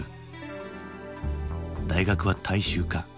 大学は大衆化。